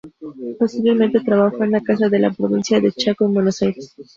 Posteriormente, trabajó en la Casa de la Provincia de Chaco en Buenos Aires.